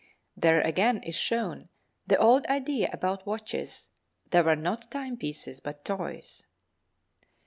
There again is shown the old idea about watches; they were not timepieces but toys.